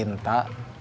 i hmm ya pak